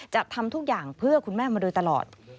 ทำทุกอย่างเพื่อคุณแม่มาโดยตลอด